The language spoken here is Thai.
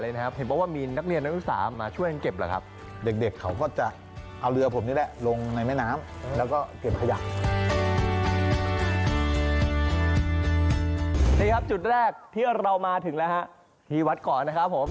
นี่ครับจุดแรกที่เรามาถึงแล้วฮะที่วัดก่อนนะครับผม